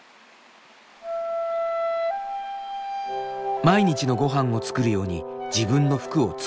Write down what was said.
毎日のごはんを作るように自分の服を作るユミさん。